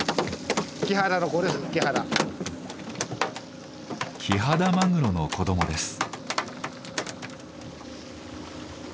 キハダマグロの子どもです。